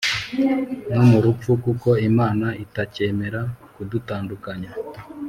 no murupfu kuko imana itakemera kudutandukanya.